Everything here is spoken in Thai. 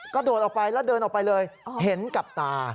โดดออกไปแล้วเดินออกไปเลยเห็นกับตา